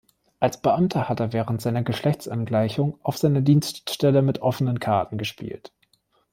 Als Beamter hat er während seiner Geschlechtsangleichung auf seiner Dienststelle mit offenen Karten gespielt.